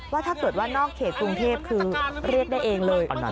ว่าถ้าเกิดว่านอกเขตกรุงเทพคือเรียกได้เองเลย